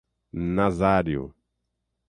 Nazário